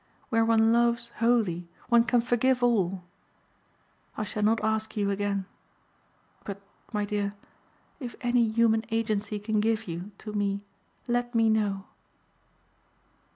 Where one loves wholly one can forgive all. I shall not ask you again; but, my dear, if any human agency can give you to me let me know."